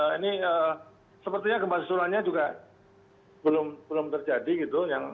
ini sepertinya gempa susulannya juga belum terjadi gitu